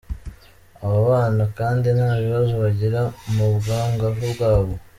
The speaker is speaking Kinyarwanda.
Abo bana kandi nta bibazo bagira mu bwangavu bwabo.